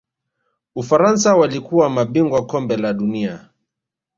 ufaransa walikuwa mabingwa Kombe la dunia